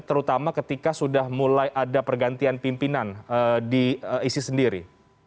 terutama ketika sudah mulai ada pergantian pimpinan di isis sendiri